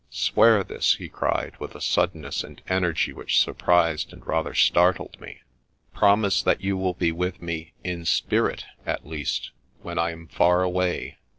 —' Swear this,' he cried, with a suddenness and energy which surprised, and rather startled me ;' promise that you will be with me in spirit, at least, when I am far away.'